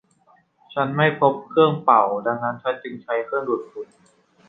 ฉันไม่พบเครื่องเป่าดังนั้นฉันจึงใช้เครื่องดูดฝุ่น